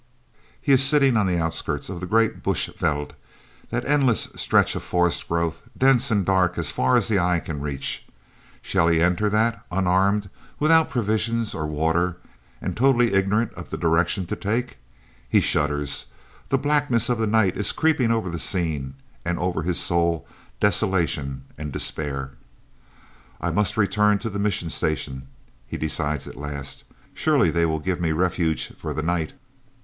He is sitting on the outskirts of the great bush veld, that endless stretch of forest growth, dense and dark as far as the eye can reach. Shall he enter that, unarmed, without provisions or water and totally ignorant of the direction to take? He shudders. The blackness of the night is creeping over the scene, and over his soul desolation and despair. "I must return to the mission station," he decides at last. "Surely they will give me refuge for the night!"